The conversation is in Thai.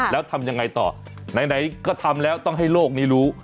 แล้วทำยังไงต่อไหนก็ทำแล้วต้องให้โลกนี้รู้